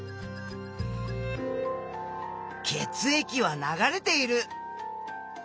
血液は流れている！